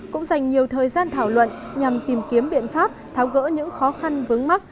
cũng dành nhiều thời gian thảo luận nhằm tìm kiếm biện pháp tháo gỡ những khó khăn vướng mắt